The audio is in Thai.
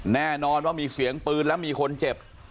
แน่นอนว่ามีเสียงปืนแล้วมีคนเจ็บ